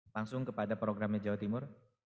langsung kepada programnya jawa timur